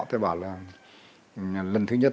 tôi bảo là lần thứ nhất